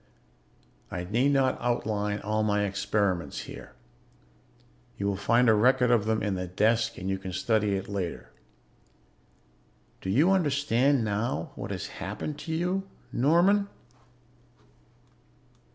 "I need not outline all my experiments here. You will find a record of them in the desk and you can study it later. "Do you understand now what has happened to you, Norman?"